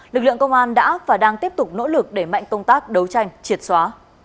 lực lượng công an đã và đang tiếp tục nỗ lực để mạnh công tác đấu tranh triệt xóa